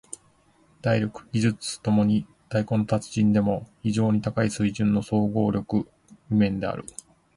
体力・技術共に太鼓の達人でも非常に高い水準の総合力譜面である。